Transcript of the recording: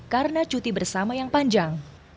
karena cuti bersama yang panjang